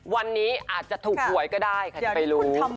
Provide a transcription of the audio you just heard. วันนี้อาจจะถูกหวยก็ได้ค่ะจะไปรู้